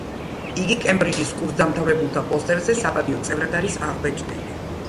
იგი კემბრიჯის კურსდამთავრებულთა პოსტერზე საპატიო წევრად არის აღბეჭდილი.